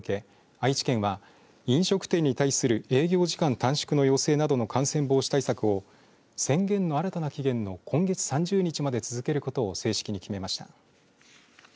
愛知県は飲食店に対する営業時間短縮の要請などの感染防止対策を宣言の新たな期限の今月３０日まで続けることを正式に決めました。